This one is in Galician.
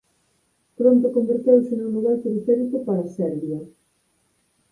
Pronto converteuse nun lugar periférico para Serbia.